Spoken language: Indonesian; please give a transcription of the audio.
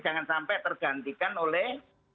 jangan sampai tergantikan oleh